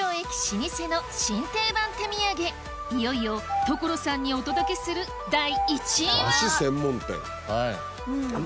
いよいよ所さんにお届けするあ